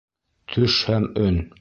Төш һәм өн